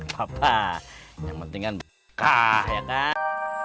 apa yang penting kan berkah ya kan